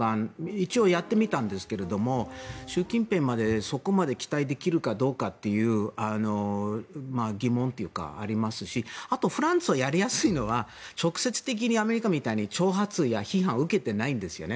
一応、やってみたんですけども習近平までそこまで期待できるかどうかという疑問というか、ありますしあとフランスはやりやすいのは直接的にアメリカみたいに挑発や批判を受けていないんですよね。